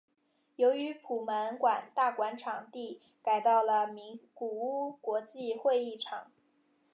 由于普门馆大馆场地改到了名古屋国际会议场。